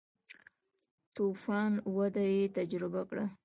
تو فان وده یې تجربه کړه.